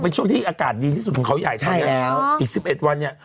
เป็นช่วงที่อากาศดีที่สุดของเขาใหญ่เท่านี้แล้วอีกสิบเอ็ดวันเนี่ย